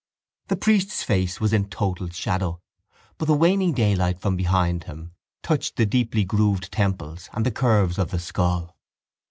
The priest's face was in total shadow, but the waning daylight from behind him touched the deeply grooved temples and the curves of the skull.